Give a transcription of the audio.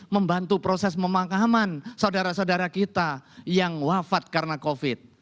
membantu proses memakaman saudara saudara kita yang wafat karena covid sembilan belas